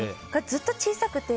ずっと小さくて。